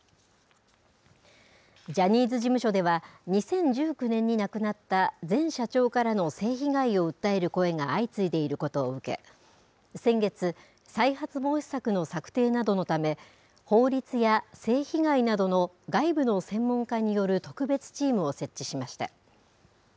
ジャニーズ事務所では、２０１９年に亡くなった前社長からの性被害を訴える声が相次いでいることを受け、先月、再発防止策の策定などのため、法律や性被害などの外部の専門家による特別チームを設置しました。